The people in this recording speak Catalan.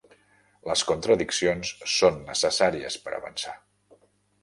Les contradiccions són necessàries per avançar.